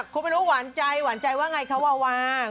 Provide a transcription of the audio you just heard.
คุณไม่รู้หวานใจหวานใจว่าไงคะวาวา